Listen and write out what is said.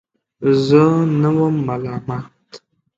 زه نه وم ملامت.